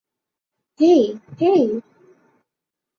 হেই, হেই।